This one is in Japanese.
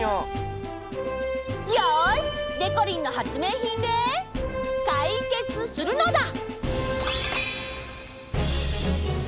よし！でこりんの発明品でかいけつするのだ！